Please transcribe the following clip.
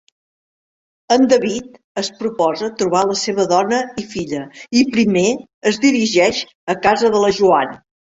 En David es proposa trobar la seva dona i filla i primer es dirigeix a casa de la Joanne.